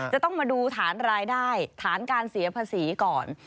จะต้องมาดูฐานรายได้ฐานการเสียภาษีก่อน